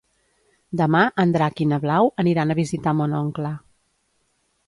Demà en Drac i na Blau aniran a visitar mon oncle.